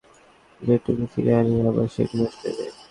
মেলার মাধ্যমে ক্রেতাদের আস্থা যেটুকু ফিরিয়ে আনি, আবার সেটি নষ্ট হয়ে যায়।